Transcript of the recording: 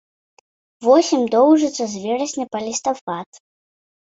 Восень доўжыцца з верасня па лістапад.